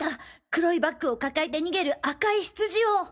黒いバッグを抱えて逃げる赤いヒツジを！